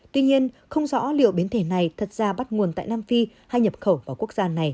tuy nhiên không rõ liệu biến thể này thật ra bắt nguồn tại nam phi hay nhập khẩu vào quốc gia này